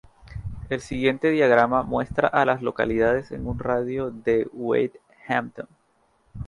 El siguiente diagrama muestra a las localidades en un radio de de Wade Hampton.